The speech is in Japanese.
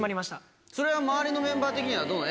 それは周りのメンバー的にはどうなの？